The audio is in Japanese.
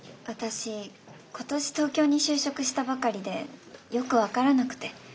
私今年東京に就職したばかりでよく分からなくて。